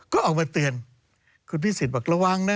ก็ออกมาเตือนคุณพิสิทธิ์บอกระวังนะ